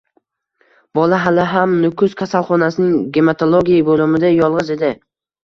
Bola hali ham Nukus kasalxonasining gematologiya bo'limida yolg'iz edi